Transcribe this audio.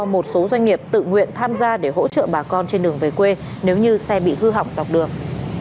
một số doanh nghiệp tự nguyện tham gia để hỗ trợ bà con trên đường về quê nếu như xe bị hư hỏng dọc đường